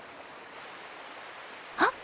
あっ！